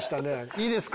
いいですか？